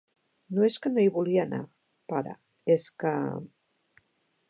No és que no hi vulgui anar, pare, és que...